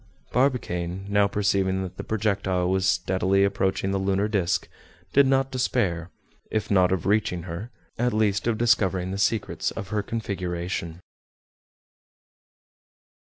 Barbicane, now perceiving that the projectile was steadily approaching the lunar disc, did not despair; if not of reaching her, at least of discovering the secrets of her configuration.